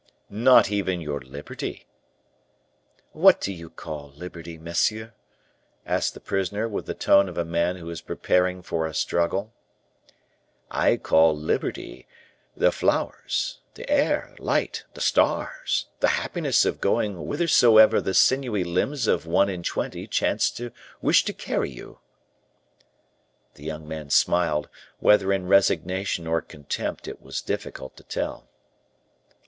"Not even your liberty?" "What do you call liberty, monsieur?" asked the prisoner, with the tone of a man who is preparing for a struggle. "I call liberty, the flowers, the air, light, the stars, the happiness of going whithersoever the sinewy limbs of one and twenty chance to wish to carry you." The young man smiled, whether in resignation or contempt, it was difficult to tell.